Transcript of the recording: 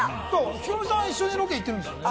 ヒロミさん、一緒にロケ行ってるんですよね？